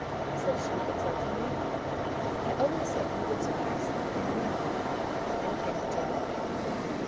said she exultingly. "I always said you would surpass them in learning: and can you draw?"